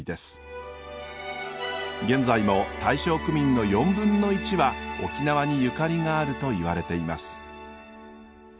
現在も大正区民の４分の１は沖縄にゆかりがあるといわれています。